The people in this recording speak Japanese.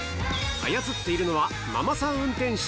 操っているのはママさん運転士。